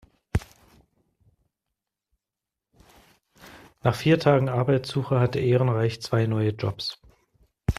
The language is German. Nach vier Tagen Arbeitssuche hatte Ehrenreich zwei neue Jobs.